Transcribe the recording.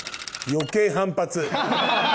余計反発。